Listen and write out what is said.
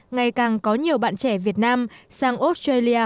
ngày càng có nhiều bạn trẻ việt nam sang australia